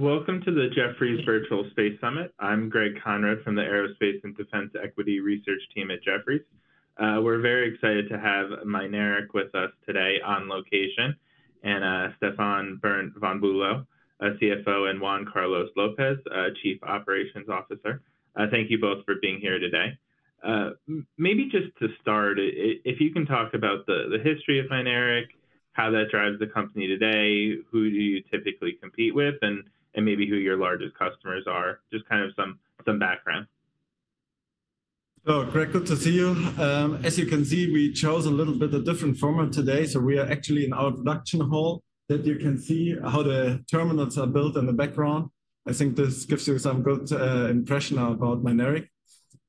Welcome to the Jefferies Virtual Space Summit. I'm Greg Konrad from the Aerospace and Defense Equity Research Team at Jefferies. We're very excited to have Mynaric with us today on location, and Stefan von Bülow, CFO, and Juan Carlos López, Chief Operating Officer. Thank you both for being here today. Maybe just to start, if you can talk about the history of Mynaric, how that drives the company today, who do you typically compete with, and maybe who your largest customers are, just kind of some background. So great to see you. As you can see, we chose a little bit of a different format today. So we are actually in our production hall that you can see how the terminals are built in the background. I think this gives you some good impression about Mynaric.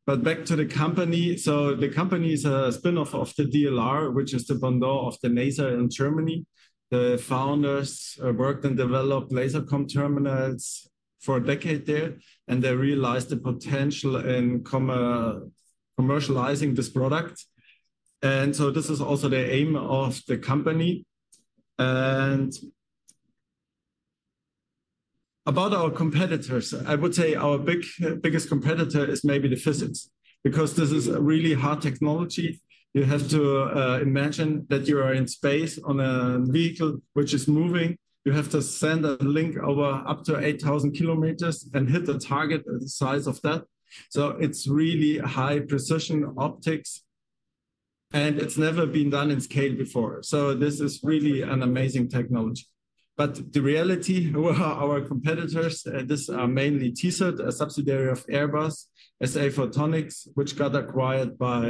But back to the company. So the company is a spinoff of the DLR, which is the equivalent of NASA in Germany. The founders worked and developed laser com terminals for a decade there, and they realized the potential in commercializing this product. And so this is also the aim of the company. And about our competitors, I would say our biggest competitor is maybe the physics, because this is a really hard technology. You have to imagine that you are in space on a vehicle which is moving. You have to send a link over up to 8,000 kilometers and hit the target size of that. So it's really high precision optics, and it's never been done in scale before. So this is really an amazing technology. But the reality, our competitors, and this is mainly TESAT, a subsidiary of Airbus, SA Photonics, which got acquired by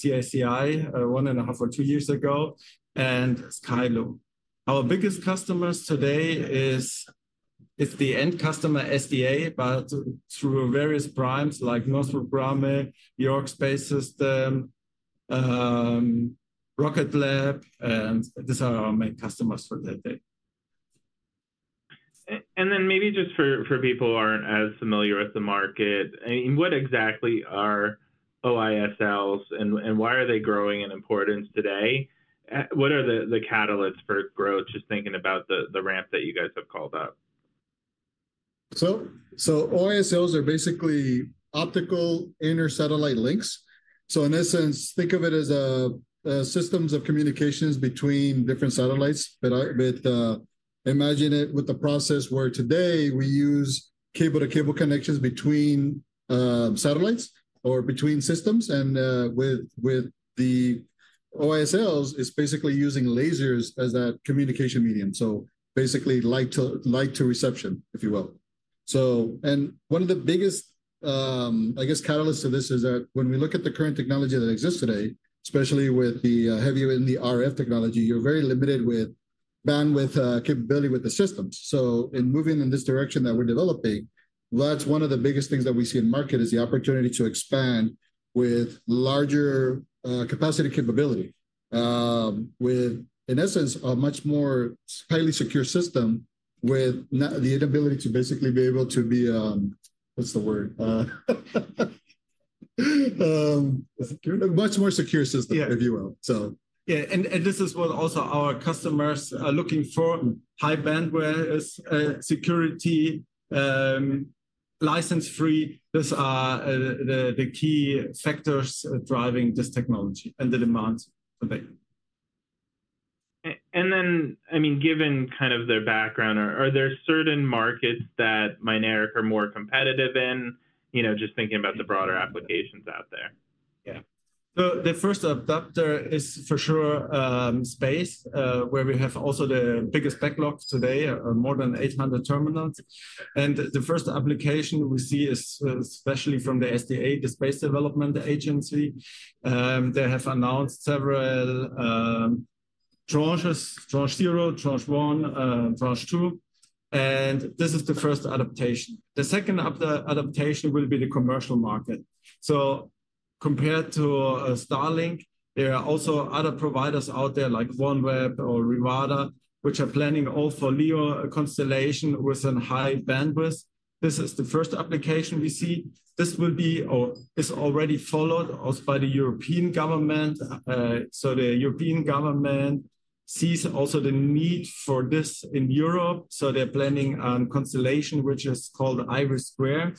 CACI 1.5 or 2 years ago, and Skyloom. Our biggest customers today is the end customer SDA, but through various brands like Northrop Grumman, York Space Systems, Rocket Lab, and these are our main customers for that day. And then maybe just for people who aren't as familiar with the market, what exactly are OISLs, and why are they growing in importance today? What are the catalysts for growth, just thinking about the ramp that you guys have called up? So OISLs are basically optical inter-satellite links. So in essence, think of it as systems of communications between different satellites. But imagine it with the process where today we use cable-to-cable connections between satellites or between systems. And with the OISLs, it's basically using lasers as that communication medium. So basically light to reception, if you will. And one of the biggest, I guess, catalysts to this is that when we look at the current technology that exists today, especially with the heavier in the RF technology, you're very limited with bandwidth capability with the systems. So in moving in this direction that we're developing, that's one of the biggest things that we see in market is the opportunity to expand with larger capacity capability, with, in essence, a much more highly secure system with the ability to basically be able to be, what's the word? A much more secure system, if you will. Yeah. This is what also our customers are looking for: high bandwidth, security, license free. These are the key factors driving this technology and the demands today. Then, I mean, given kind of their background, are there certain markets that Mynaric are more competitive in, just thinking about the broader applications out there? Yeah. So the first adopter is for sure space, where we have also the biggest backlog today, more than 800 terminals. And the first application we see is especially from the SDA, the Space Development Agency. They have announced several Tranche 0, Tranche 1, Tranche 2. And this is the first adaptation. The second adaptation will be the commercial market. So compared to Starlink, there are also other providers out there like OneWeb or Rivada, which are planning all for LEO constellation with a high bandwidth. This is the first application we see. This will be or is already followed by the European government. So the European government sees also the need for this in Europe. So they're planning on constellation, which is called IRIS2.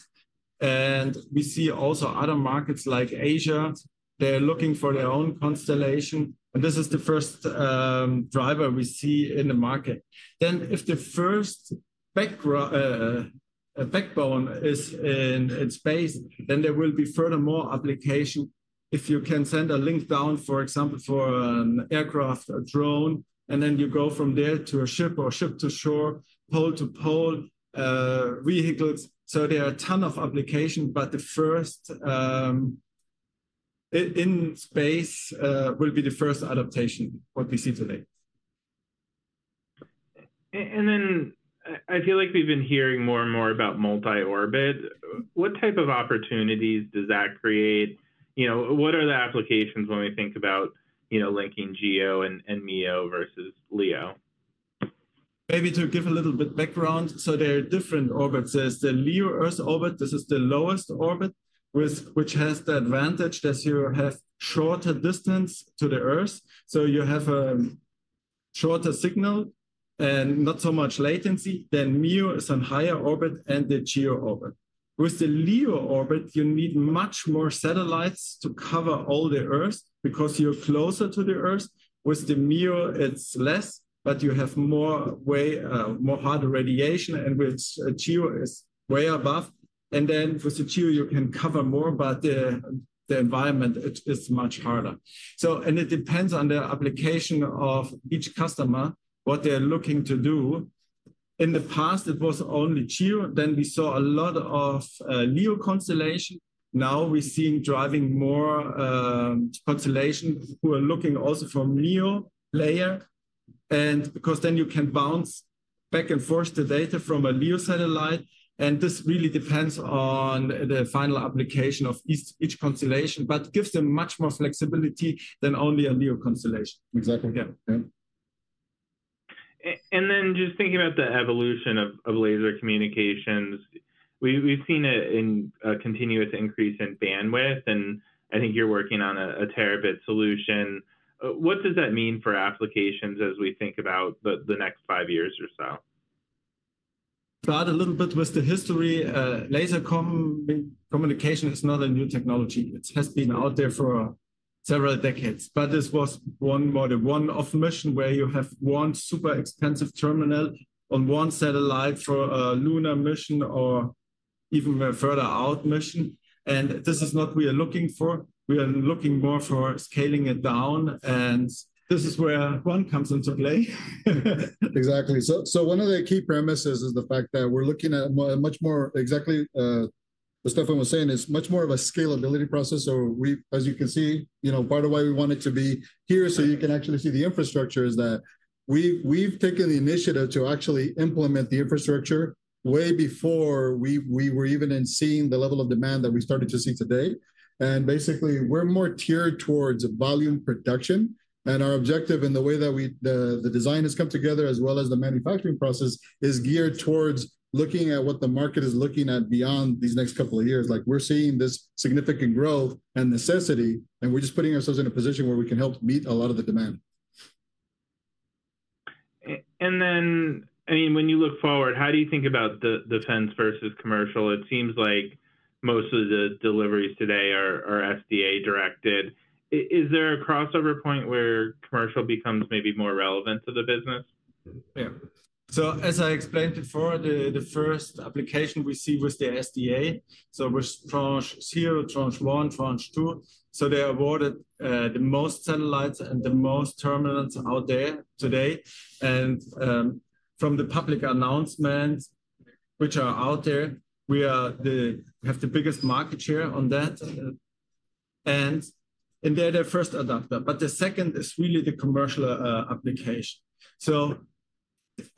And we see also other markets like Asia. They're looking for their own constellation. And this is the first driver we see in the market. If the first backbone is in space, then there will be furthermore application. If you can send a link down, for example, for an aircraft, a drone, and then you go from there to a ship or ship to shore, pole to pole vehicles. So there are a ton of applications, but the first in space will be the first adaptation, what we see today. And then I feel like we've been hearing more and more about multi-orbit. What type of opportunities does that create? What are the applications when we think about linking GEO and MEO versus LEO? Maybe to give a little bit of background, so there are different orbits. There's the LEO Earth orbit. This is the lowest orbit, which has the advantage that you have shorter distance to the Earth. So you have a shorter signal and not so much latency. Then MEO is on higher orbit and the GEO orbit. With the LEO orbit, you need much more satellites to cover all the Earth because you're closer to the Earth. With the MEO, it's less, but you have more hard radiation, and with GEO, it's way above. And then with the GEO, you can cover more, but the environment is much harder. And it depends on the application of each customer, what they're looking to do. In the past, it was only GEO. Then we saw a lot of LEO constellation. Now we're seeing driving more constellations who are looking also for MEO layer, because then you can bounce back and forth the data from a LEO satellite. This really depends on the final application of each constellation, but gives them much more flexibility than only a LEO constellation. Exactly. And then just thinking about the evolution of laser communications, we've seen a continuous increase in bandwidth, and I think you're working on a terabit solution. What does that mean for applications as we think about the next five years or so? Start a little bit with the history. Laser communication is not a new technology. It has been out there for several decades, but this was more the one-off mission where you have one super expensive terminal on one satellite for a lunar mission or even a further out mission. And this is not what we are looking for. We are looking more for scaling it down. And this is where one comes into play. Exactly. So one of the key premises is the fact that we're looking at much more exactly what Stefan was saying is much more of a scalability process. So, as you can see, part of why we want it to be here so you can actually see the infrastructure is that we've taken the initiative to actually implement the infrastructure way before we were even seeing the level of demand that we started to see today. And basically, we're more geared towards volume production. And our objective in the way that the design has come together, as well as the manufacturing process, is geared towards looking at what the market is looking at beyond these next couple of years. We're seeing this significant growth and necessity, and we're just putting ourselves in a position where we can help meet a lot of the demand. And then, I mean, when you look forward, how do you think about the defense versus commercial? It seems like most of the deliveries today are SDA directed. Is there a crossover point where commercial becomes maybe more relevant to the business? Yeah. So as I explained before, the first application we see was the SDA. So with Tranche 0, Tranche 1, Tranche 2, so they awarded the most satellites and the most terminals out there today. And from the public announcements, which are out there, we have the biggest market share on that. And they're the first adopter. But the second is really the commercial application. So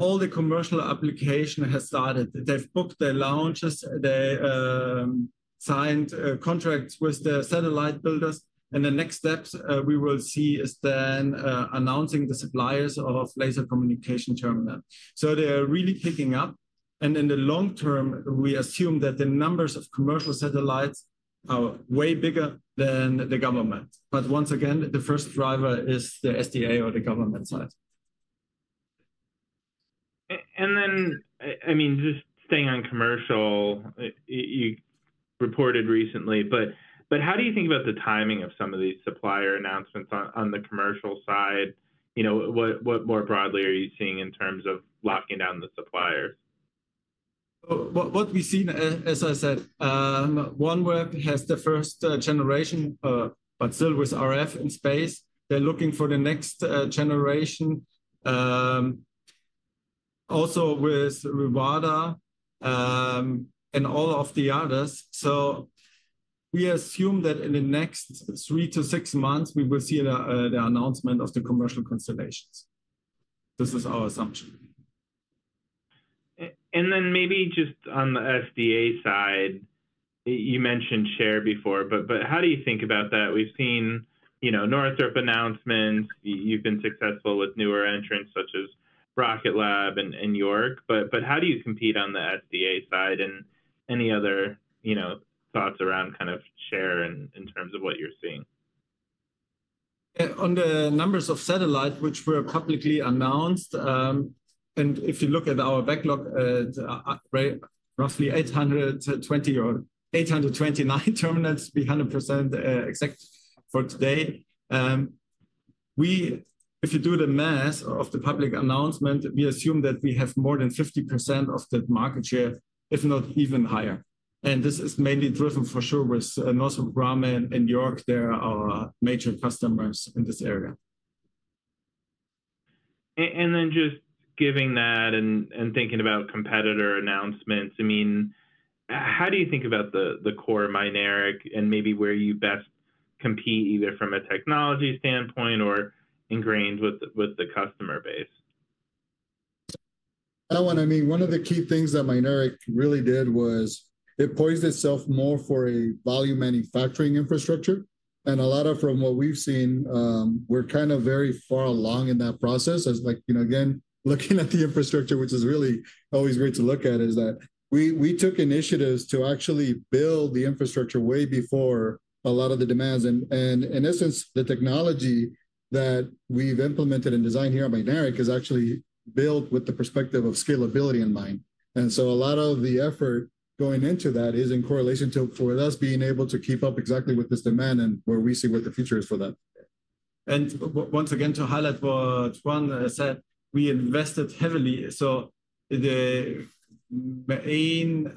all the commercial application has started. They've booked their launches. They signed contracts with the satellite builders. And the next steps we will see is then announcing the suppliers of laser communication terminals. So they're really picking up. And in the long term, we assume that the numbers of commercial satellites are way bigger than the government. But once again, the first driver is the SDA or the government side. Then, I mean, just staying on commercial, you reported recently, but how do you think about the timing of some of these supplier announcements on the commercial side? What more broadly are you seeing in terms of locking down the suppliers? What we see, as I said, OneWeb has the first generation, but still with RF in space. They're looking for the next generation, also with Rivada and all of the others. So we assume that in the next 3-6 months, we will see the announcement of the commercial constellations. This is our assumption. And then maybe just on the SDA side, you mentioned share before, but how do you think about that? We've seen Northrop announcements. You've been successful with newer entrants such as Rocket Lab and York. But how do you compete on the SDA side? And any other thoughts around kind of share in terms of what you're seeing? On the numbers of satellites, which were publicly announced, and if you look at our backlog, roughly 829 terminals, be 100% exact for today. If you do the math of the public announcement, we assume that we have more than 50% of the market share, if not even higher. And this is mainly driven for sure with Northrop Grumman and York. They are our major customers in this area. And then just giving that and thinking about competitor announcements, I mean, how do you think about the core Mynaric and maybe where you best compete either from a technology standpoint or ingrained with the customer base? I don't want to mean one of the key things that Mynaric really did was it poised itself more for a volume manufacturing infrastructure. And a lot of what we've seen, we're kind of very far along in that process. Again, looking at the infrastructure, which is really always great to look at, is that we took initiatives to actually build the infrastructure way before a lot of the demands. And in essence, the technology that we've implemented and designed here at Mynaric is actually built with the perspective of scalability in mind. And so a lot of the effort going into that is in correlation to us being able to keep up exactly with this demand and where we see what the future is for that. And once again, to highlight what Juan said, we invested heavily. The main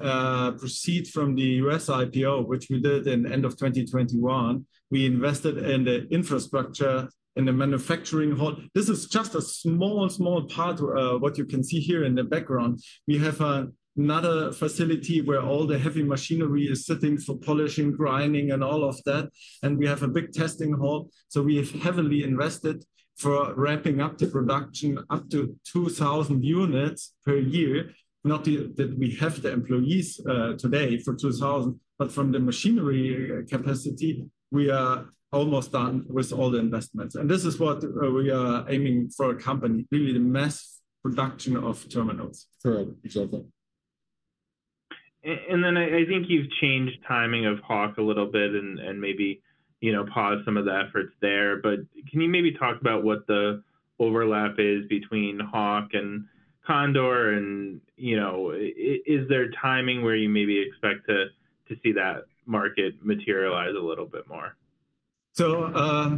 proceeds from the US IPO, which we did in the end of 2021, we invested in the infrastructure and the manufacturing hall. This is just a small, small part of what you can see here in the background. We have another facility where all the heavy machinery is sitting for polishing, grinding, and all of that. We have a big testing hall. We have heavily invested for ramping up the production up to 2,000 units per year. Not that we have the employees today for 2,000, but from the machinery capacity, we are almost done with all the investments. This is what we are aiming for a company, really the mass production of terminals. Correct. Exactly. And then I think you've changed timing of HAWK a little bit and maybe paused some of the efforts there. But can you maybe talk about what the overlap is between HAWK and Condor? And is there timing where you maybe expect to see that market materialize a little bit more? So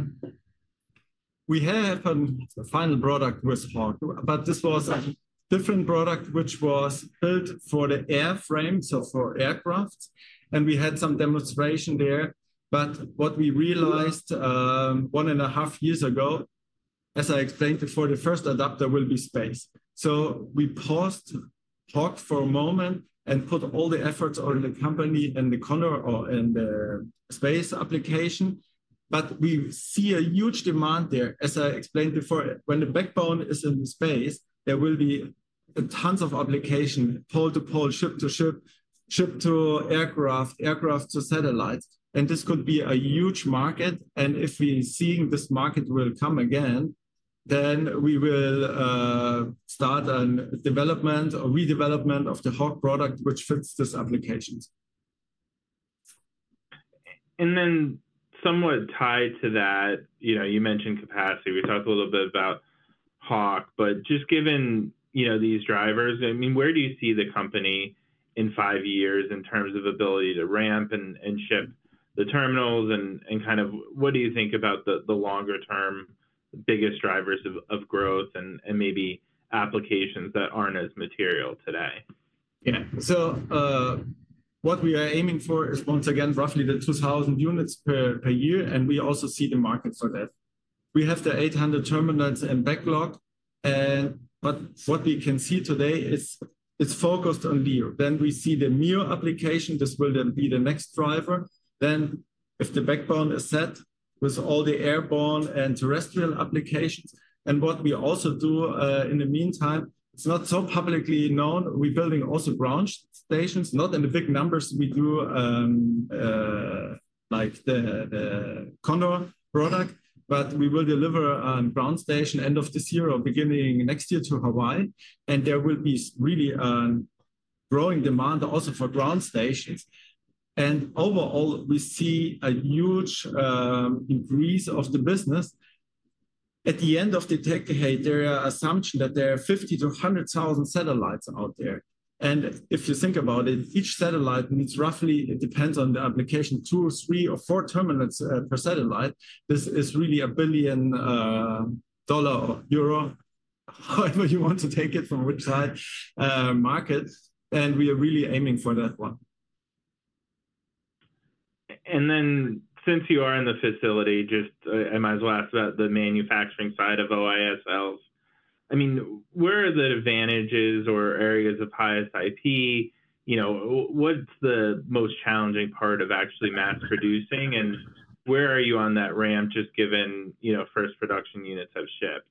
we had a final product with HAWK, but this was a different product, which was built for the airframe, so for aircraft. And we had some demonstration there. But what we realized one and a half years ago, as I explained before, the first adopter will be space. So we paused HAWK for a moment and put all the efforts on the company and the space application. But we see a huge demand there. As I explained before, when the backbone is in space, there will be tons of application, pole to pole, ship to ship, ship to aircraft, aircraft to satellites. And this could be a huge market. And if we're seeing this market will come again, then we will start a development or redevelopment of the HAWK product, which fits this application. Then somewhat tied to that, you mentioned capacity. We talked a little bit about HAWK, but just given these drivers, I mean, where do you see the company in five years in terms of ability to ramp and ship the terminals? And kind of what do you think about the longer term, biggest drivers of growth and maybe applications that aren't as material today? Yeah. So what we are aiming for is once again, roughly the 2,000 units per year. And we also see the market for that. We have the 800 terminals and backlog. But what we can see today is it's focused on LEO. Then we see the MEO application. This will be the next driver. Then if the backbone is set with all the airborne and terrestrial applications. And what we also do in the meantime, it's not so publicly known. We're building also ground stations, not in the big numbers we do like the Condor product, but we will deliver a ground station end of this year or beginning next year to Hawaii. And there will be really growing demand also for ground stations. And overall, we see a huge increase of the business. At the end of the decade, there are assumptions that there are 50,000 to 100,000 satellites out there. And if you think about it, each satellite means roughly it depends on the application, 2, 3, or 4 terminals per satellite. This is really a $1 billion or EUR 1 billion, however you want to take it from which side, market. And we are really aiming for that one. And then, since you are in the facility, just I might as well ask about the manufacturing side of OISLs. I mean, where are the advantages or areas of highest IP? What's the most challenging part of actually mass producing? And where are you on that ramp just given first production units have shipped?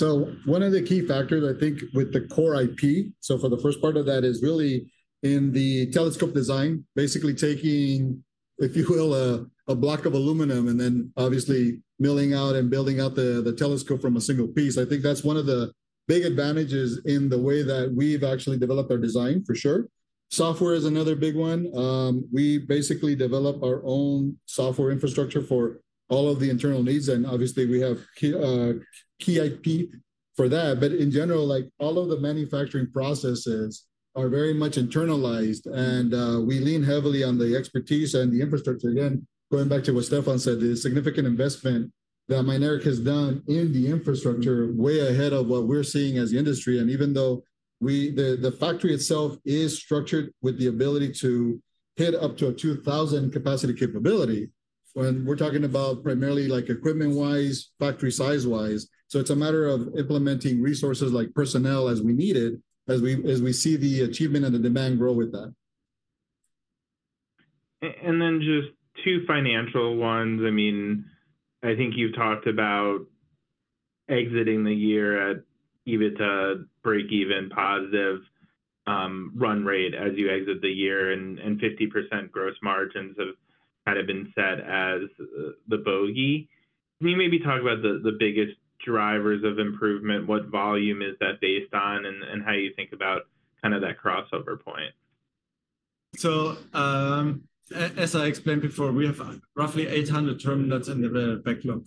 So one of the key factors, I think, with the core IP, so for the first part of that, is really in the telescope design, basically taking, if you will, a block of aluminum and then obviously milling out and building out the telescope from a single piece. I think that's one of the big advantages in the way that we've actually developed our design, for sure. Software is another big one. We basically develop our own software infrastructure for all of the internal needs. And obviously, we have key IP for that. But in general, all of the manufacturing processes are very much internalized. And we lean heavily on the expertise and the infrastructure. Again, going back to what Stefan said, the significant investment that Mynaric has done in the infrastructure way ahead of what we're seeing as the industry. Even though the factory itself is structured with the ability to hit up to a 2,000 capacity capability, when we're talking about primarily equipment-wise, factory-size-wise, so it's a matter of implementing resources like personnel as we need it, as we see the achievement and the demand grow with that. Then just two financial ones. I mean, I think you've talked about exiting the year at even a break-even positive run rate as you exit the year and 50% gross margins have kind of been set as the bogey. Can you maybe talk about the biggest drivers of improvement? What volume is that based on and how you think about kind of that crossover point? So as I explained before, we have roughly 800 terminals in the backlog,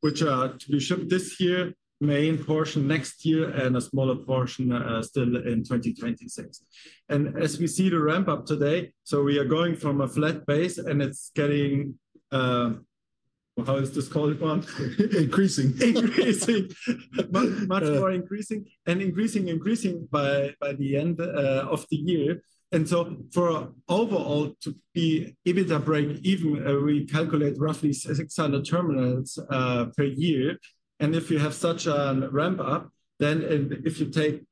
which are to be shipped this year, main portion next year, and a smaller portion still in 2026. And as we see the ramp up today, so we are going from a flat base and it's getting, how is this called? Increasing. Increasing. Much more increasing and increasing, increasing by the end of the year. And so for overall to be even a break-even, we calculate roughly 600 terminals per year. And if you have such a ramp up, then if you take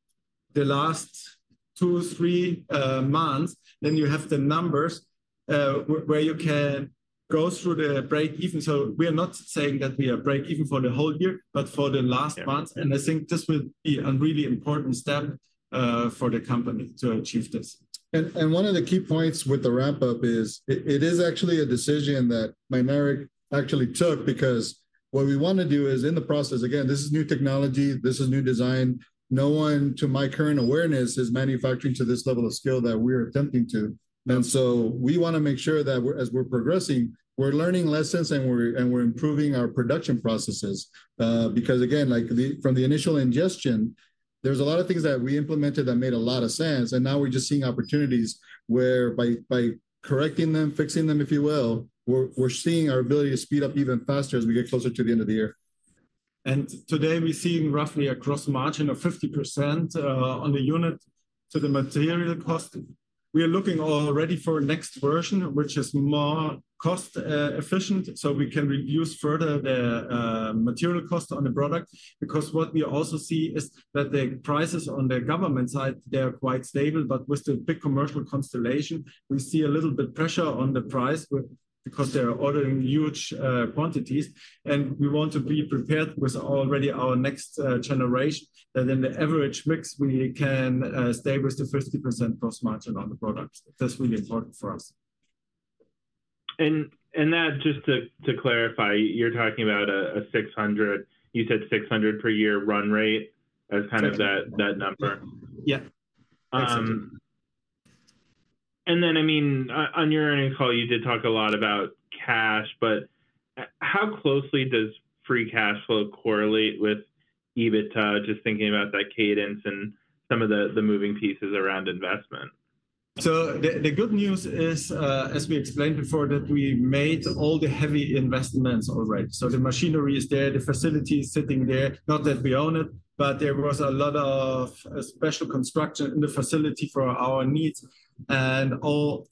the last two, three months, then you have the numbers where you can go through the break-even. So we are not saying that we are break-even for the whole year, but for the last month. And I think this would be a really important step for the company to achieve this. And one of the key points with the ramp up is it is actually a decision that Mynaric actually took because what we want to do is in the process, again, this is new technology. This is new design. No one, to my current awareness, is manufacturing to this level of skill that we are attempting to. So we want to make sure that as we're progressing, we're learning lessons and we're improving our production processes. Because again, from the initial ingestion, there's a lot of things that we implemented that made a lot of sense. Now we're just seeing opportunities where by correcting them, fixing them, if you will, we're seeing our ability to speed up even faster as we get closer to the end of the year. Today we're seeing roughly a gross margin of 50% on the unit to the material cost. We are looking already for next version, which is more cost-efficient so we can reduce further the material cost on the product. Because what we also see is that the prices on the government side, they are quite stable. With the big commercial constellation, we see a little bit of pressure on the price because they are ordering huge quantities. We want to be prepared with already our next generation that in the average mix, we can stay with the 50% gross margin on the product. That's really important for us. Just to clarify, you're talking about a 600, you said 600 per year run rate as kind of that number. Yeah. And then, I mean, on your earnings call, you did talk a lot about cash, but how closely does free cash flow correlate with EBITDA, just thinking about that cadence and some of the moving pieces around investment? So the good news is, as we explained before, that we made all the heavy investments already. So the machinery is there, the facility is sitting there, not that we own it, but there was a lot of special construction in the facility for our needs. And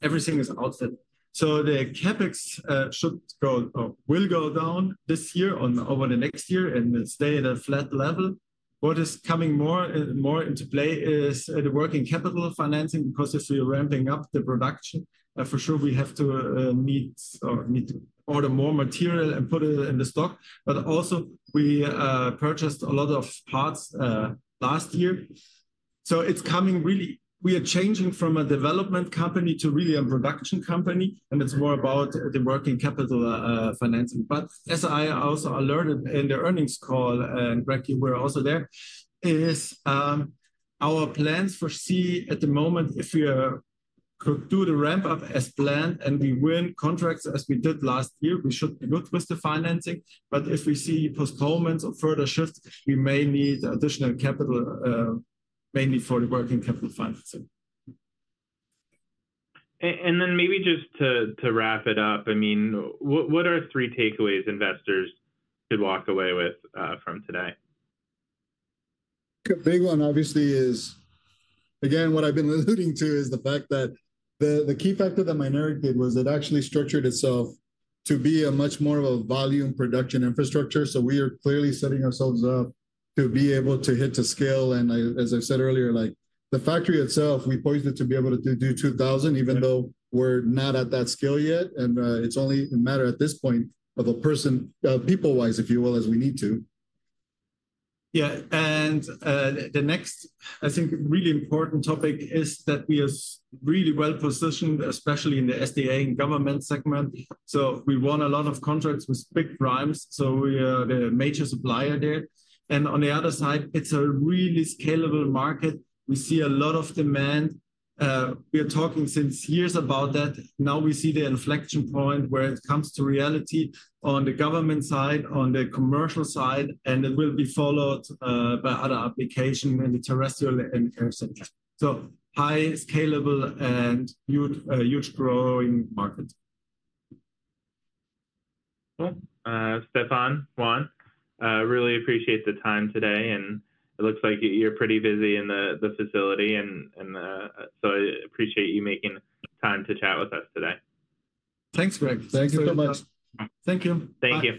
everything is outfitted. So the CapEx should go or will go down this year and over the next year and stay at a flat level. What is coming more into play is the working capital financing because if we are ramping up the production, for sure, we have to meet or need to order more material and put it in the stock. But also, we purchased a lot of parts last year. So it's coming really, we are changing from a development company to really a production company. And it's more about the working capital financing. But as I also alerted in the earnings call, and Greg, you were also there, is our plans foresee at the moment if we could do the ramp up as planned and we win contracts as we did last year, we should be good with the financing. But if we see postponements or further shifts, we may need additional capital, mainly for the working capital financing. And then maybe just to wrap it up, I mean, what are three takeaways investors could walk away with from today? A big one, obviously, is again, what I've been alluding to is the fact that the key factor that Mynaric did was it actually structured itself to be much more of a volume production infrastructure. So we are clearly setting ourselves up to be able to hit to scale. And as I said earlier, the factory itself, we poised it to be able to do 2,000, even though we're not at that scale yet. And it's only a matter at this point of personnel, people-wise, if you will, as we need to. Yeah. And the next, I think, really important topic is that we are really well positioned, especially in the SDA and government segment. So we won a lot of contracts with big primes. So we are the major supplier there. And on the other side, it's a really scalable market. We see a lot of demand. We are talking since years about that. Now we see the inflection point where it comes to reality on the government side, on the commercial side, and it will be followed by other applications in the terrestrial and air segment. So high, scalable, and huge growing market. Stefan, Juan, really appreciate the time today. It looks like you're pretty busy in the facility. So I appreciate you making time to chat with us today. Thanks, Greg. Thank you so much. Thank you. Thank you.